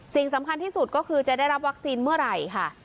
สิ่งสำคัญที่สุดก็คือจะได้รับวัคซีนเมื่อไหร่ค่ะ